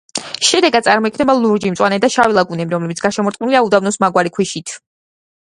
შედეგად წარმოიქმნება ლურჯი, მწვანე და შავი ლაგუნები, რომლებიც გარშემორტყმულია უდაბნოს მაგვარი ქვიშით.